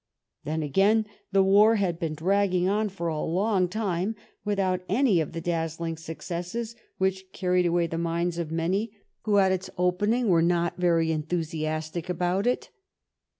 Then, again, the war had been dragging on for a long time without any of the dazzling successes which carried away the minds of many who at its opening were not very enthusiastic about it.